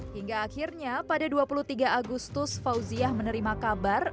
hingga akhirnya pada dua puluh tiga agustus fauziah menerima kabar